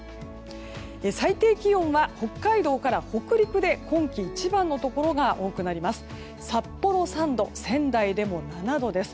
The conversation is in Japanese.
最低気温は北海道から北陸で今季一番のところが多くなります。